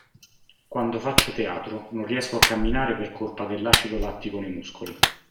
Quando faccio teatro non riesco a camminare per colpa dell'acido lattico nei muscoli.